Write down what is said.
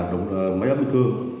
đồng thời máy áp đi cư